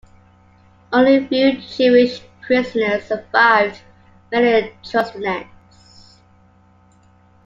Only a few Jewish prisoners survived Maly Trostenets.